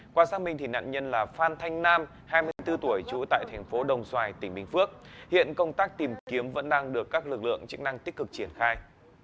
qua xác minh nạn nhân là phan thanh nam hai mươi bốn tuổi trú tại thành phố đồng xoài tỉnh bình phước hiện công tác tìm kiếm vẫn đang được các lực lượng chức năng tích cực triển khai